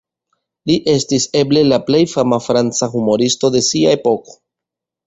Li estis eble le plej fama franca humuristo de sia epoko.